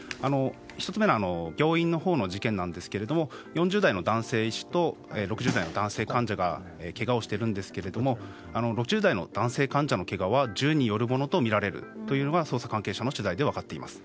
１つ目の病院のほうの事件ですが４０代の男性医師と６０代の男性患者がけがをしているんですけれども６０代の男性患者のけがは銃によるものとみられるというのが捜査関係者の取材で分かっています。